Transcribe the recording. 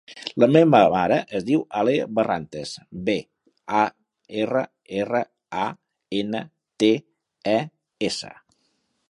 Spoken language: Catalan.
La meva mare es diu Alae Barrantes: be, a, erra, erra, a, ena, te, e, essa.